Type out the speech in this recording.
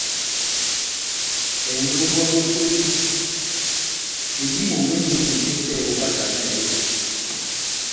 Ɛngɛ ó búwa bó kwédi, medímo médini tepɛhɛ óvahtanɛ ?